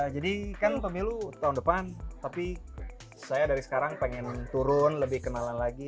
jadi kan pemilu tahun depan tapi saya dari sekarang pengen turun lebih kenalan lagi